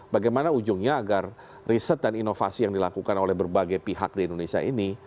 bagaimana ujungnya agar riset dan inovasi yang dilakukan oleh berbagai pihak di indonesia ini